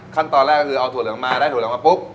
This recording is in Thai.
ขั้นตอนแรกก็คือเอาถั่วเหลืองมาได้ถั่วเหลืองมาปุ๊บ